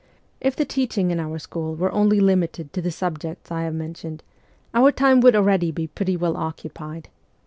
If the teaching in our school were only limited to the subjects I have mentioned, our time would already be pretty well occupied.